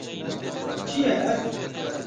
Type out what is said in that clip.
Çi ye ev?